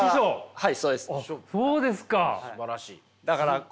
はい。